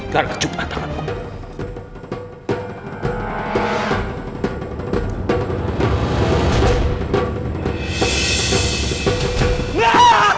jangan kecuplah tanganku